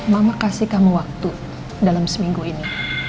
mama kasih kamu waktu dalam seminggu ini